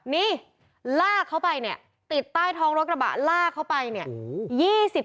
นี่ลากเขาไปเนี่ยติดใต้ท้องรถกระบะลากเขาไปเนี่ย